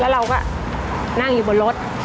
แล้วเราก็นั่งอยู่บนรถ